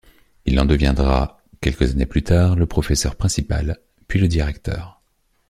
Il en deviendra quelques années plus tard le professeur principal puis le directeur.